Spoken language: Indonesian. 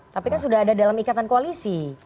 tapi kan sudah ada dalam ikatan koalisi